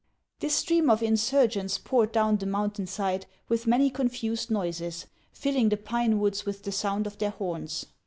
This stream of insurgents poured down the mountain side with many confused noises, filling the pine woods with the sound of their horns.